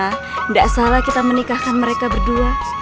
tidak salah kita menikahkan mereka berdua